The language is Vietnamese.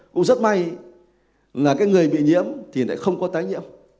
cũng rất may là cái người bị nhiễm thì lại không có tái nhiễm